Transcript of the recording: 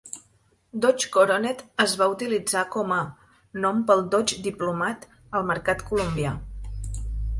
Dodge Coronet es va utilitzar com a nom pel Dodge Diplomat al mercat colombià.